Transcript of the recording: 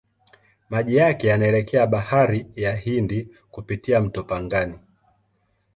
Maji yake yanaelekea Bahari ya Hindi kupitia mto Pangani.